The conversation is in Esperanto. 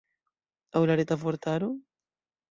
Aŭ la Reta Vortaro?